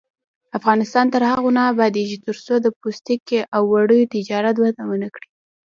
افغانستان تر هغو نه ابادیږي، ترڅو د پوستکي او وړیو تجارت وده ونه کړي.